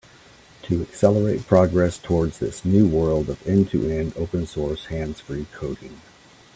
To accelerate progress towards this new world of end-to-end open source hands-free coding.